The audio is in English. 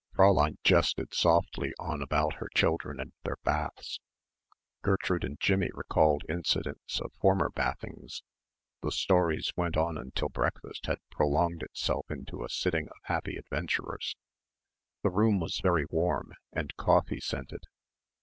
Fräulein jested softly on about her children and their bath. Gertrude and Jimmie recalled incidents of former bathings the stories went on until breakfast had prolonged itself into a sitting of happy adventurers. The room was very warm, and coffee scented.